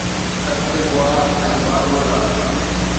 Antigua ۽ باربودا